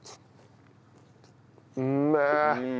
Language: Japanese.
うめえ。